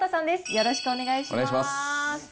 よろしくお願いします。